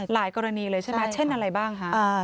กรณีเลยใช่ไหมเช่นอะไรบ้างคะ